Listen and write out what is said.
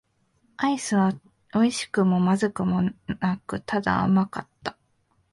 アイスは美味しくも不味くもなく、ただ甘かった。